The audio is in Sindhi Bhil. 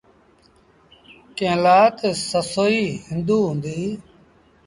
ڪݩهݩ لآ تا سسئي هُݩدو هُݩديٚ۔